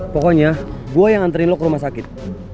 pokoknya gue yang anterin lo ke rumah sakit